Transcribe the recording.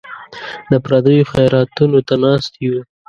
د پردیو خیراتونو ته ناست یو.